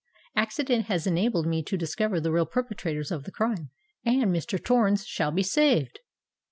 Accident has enabled me to discover the real perpetrators of the crime; _and Mr. Torrens shall be saved!